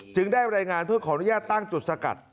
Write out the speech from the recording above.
ได้รายงานเพื่อขออนุญาตตั้งจุดสกัด